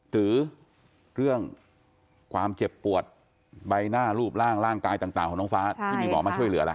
หรือเรื่องความเจ็บปวดใบหน้ารูปร่างร่างกายต่างของน้องฟ้าที่มีหมอมาช่วยเหลือล่ะ